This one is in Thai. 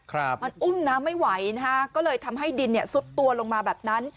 ครับมันอุ้มน้ำไม่ไหวนะฮะก็เลยทำให้ดินเนี่ยซุดตัวลงมาแบบนั้น